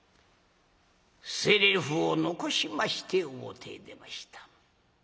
捨てぜりふを残しまして表へ出ました。